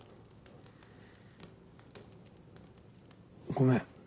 ごめん。